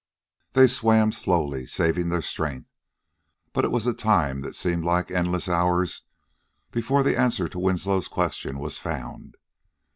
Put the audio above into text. They swam slowly, saving their strength, but it was a time that seemed like endless hours before the answer to Winslow's question was found.